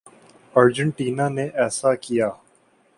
Argentina نے ایسا کیا۔